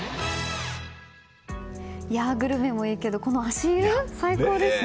グルメもいいけど、この足湯最高ですね。